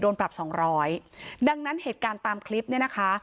ปรับสองร้อยดังนั้นเหตุการณ์ตามคลิปเนี่ยนะคะ